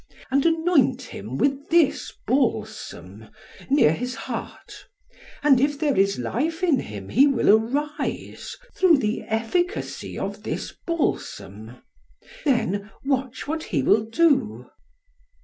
And anoint him with this balsam, near his heart; and if there is life in him, he will arise, through the efficacy of this balsam. Then watch what he will do."